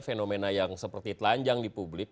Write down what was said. fenomena yang seperti telanjang di publik